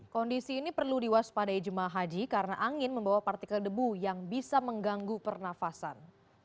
kondisi ini perlu diwaspadai jemaah haji karena angin membawa partikel debu yang bisa mengganggu pernafasan